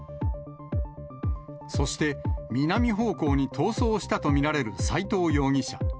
そして南方向に逃走したと見られる斉藤容疑者。